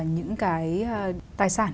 những cái tài sản về chính sách